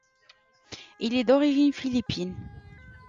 Il est d'origine philippine.